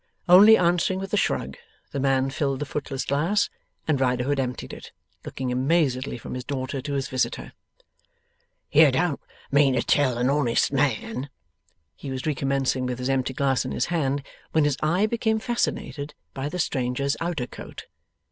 Only answering with a shrug, the man filled the footless glass, and Riderhood emptied it: looking amazedly from his daughter to his visitor. 'You don't mean to tell a honest man ' he was recommencing with his empty glass in his hand, when his eye became fascinated by the stranger's outer coat.